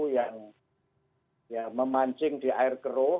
yang memancing di air keruh